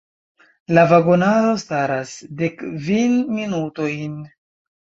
La vagonaro staras dekkvin minutojn!